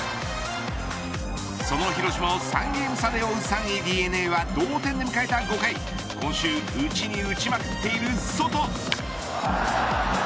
その広島を３ゲーム差で追う３位、ＤｅＮＡは同点で迎えた５回今週打ちに打ちまくっているソト。